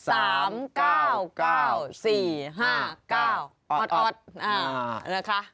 ออดอ่านี่แหละค่ะ